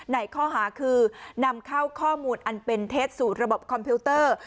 ในข้อหาคือนำเข้าข้อมูลอันเป็นเท็จสู่ระบบคอมพิวเตอร์